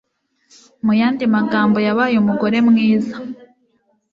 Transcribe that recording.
Mu yandi magambo, yabaye umugore mwiza.